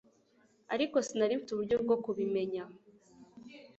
Ariko sinari mfite uburyo bwo kubimenya